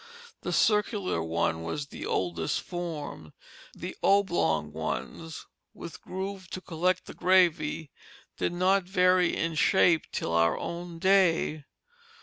The circular one was the oldest form. The oblong ones, with groove to collect the gravy, did not vary in shape till our own day.